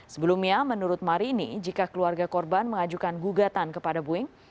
sebelumnya menurut marini jika keluarga korban mengajukan gugatan kepada boeing